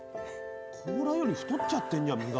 甲羅より太っちゃってんじゃん身が。